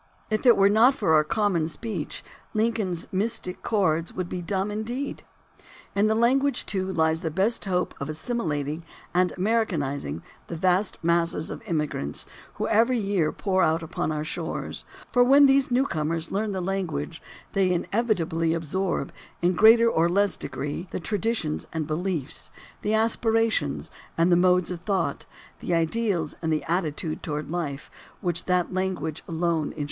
If it were not for our common speech Lincoln's "mystic chords" would be dumb indeed. In the language, too, lies the best hope of assimilating and Americanizing the vast masses of immigrants who every year pour out upon our shores, for when these newcomers learn the language, they inevitably absorb, in greater or less degree, the tradi tions and beliefs, the aspirations and the modes of thought, the ideals and the attitude toward life, which that language alone enshrines.